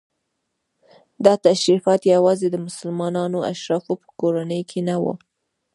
دا تشریفات یوازې د مسلمانو اشرافو په کورنیو کې نه وو.